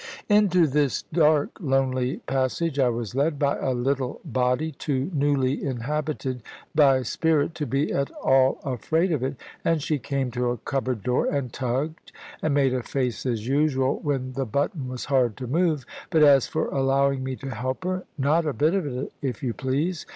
Into this dark lonely passage I was led by a little body, too newly inhabited by spirit to be at all afraid of it. And she came to a cupboard door, and tugged, and made a face as usual, when the button was hard to move. But as for allowing me to help her, not a bit of it, if you please.